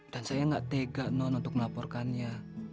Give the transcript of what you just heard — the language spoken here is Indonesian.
dan saya nggak tega non untuk melaporkannya